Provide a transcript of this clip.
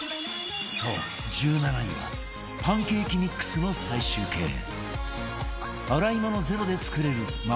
そう１７位はパンケーキミックスの最終型